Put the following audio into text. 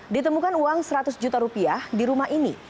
ditemukan uang seratus juta rupiah di rumah ini